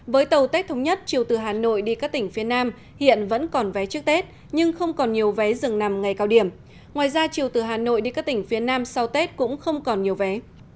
với tàu tết thống nhất chiều từ hà nội đi các tỉnh phía nam hiện vẫn còn vé trước tết nhưng không còn nhiều vé dừng nằm ngày cao điểm ngoài ra chiều từ hà nội đi các tỉnh phía nam sau tết cũng không còn nhiều vé